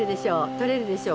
とれるでしょう？